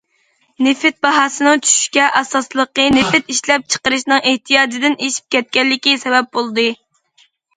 نېفىت باھاسىنىڭ چۈشۈشىگە ئاساسلىقى نېفىت ئىشلەپچىقىرىشنىڭ ئېھتىياجدىن ئېشىپ كەتكەنلىكى سەۋەب بولدى.